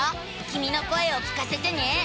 きみの声を聞かせてね。